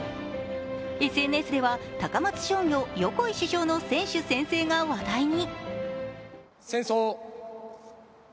ＳＮＳでは高松商業・横井主将の選手宣誓が話題に。